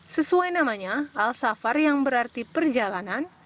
sesuai namanya al safar yang berarti perjalanan